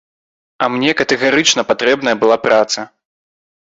А мне катэгарычна патрэбная была праца.